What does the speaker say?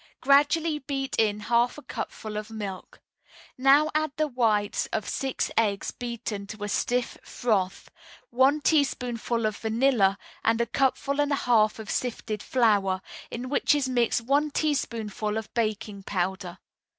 Gradually beat in half a cupful of milk. Now add the whites of six eggs beaten to a stiff froth, one teaspoonful of vanilla, and a cupful and a half of sifted flour, in which is mixed one teaspoonful of baking powder.